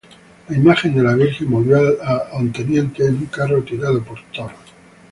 La imagen de la Virgen volvió a Onteniente en un carro tirado por toros.